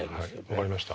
分かりました。